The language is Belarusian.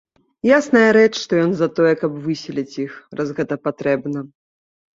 Ясная рэч, што ён за тое, каб выселіць іх, раз гэта патрэбна.